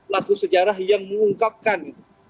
latuh sejarah yang mengungkapkan